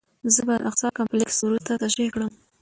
زه به د اقصی کمپلکس وروسته تشریح کړم.